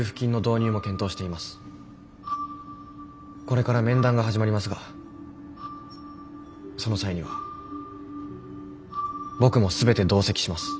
これから面談が始まりますがその際には僕も全て同席します。